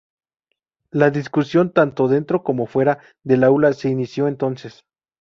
La discusión tanto dentro como fuera del aula se inició entonces.